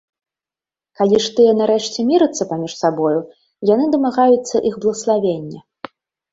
Калі ж тыя нарэшце мірацца паміж сабою, яны дамагаюцца іх блаславення.